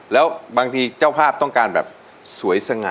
แล้วบางทีเจ้าภาพต้องการแบบสวยสง่า